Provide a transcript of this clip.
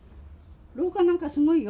廊下なんかすごいよ。